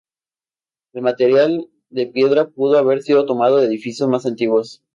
El material de piedra pudo haber sido tomado de edificios más antiguos.